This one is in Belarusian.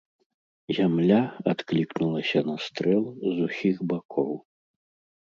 Зямля адклікнулася на стрэл з усіх бакоў.